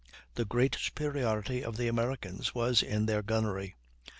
The great superiority of the Americans was in their gunnery.